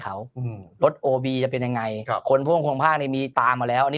เขารถโอบีจะเป็นยังไงคนพ่อความภาคในมีตามาแล้วนี่